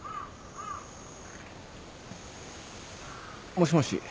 もしもし。